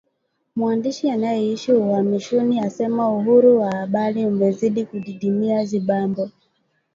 Mwandishi anayeishi uhamishoni asema uhuru wa habari umezidi kudidimia Zimbabwe